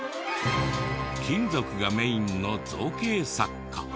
金属がメインの造形作家。